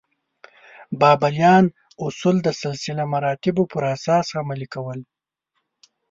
بابلیان اصول د سلسله مراتبو پر اساس عملي کول.